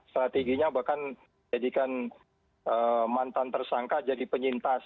strateginya bahkan jadikan mantan tersangka jadi penyintas